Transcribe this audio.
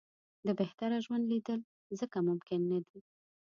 د بهتره ژوند لېدل ځکه ممکن نه دي.